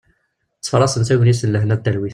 Ttfarasen tagnit n lehna d talwit.